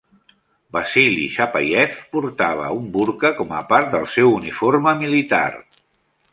Vasily Chapayev portava un burca com a part del seu uniform militar.